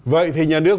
vậy thì nhà nước